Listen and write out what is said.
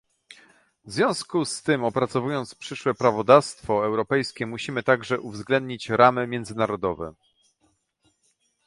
W związku z tym, opracowując przyszłe prawodawstwo europejskie musimy także uwzględnić ramy międzynarodowe